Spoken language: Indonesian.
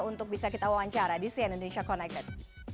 untuk bisa kita wawancara di cn indonesia connected